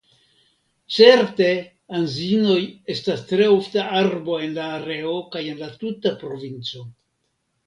Certe anzinoj estas tre ofta arbo en la areo kaj en la tuta provinco.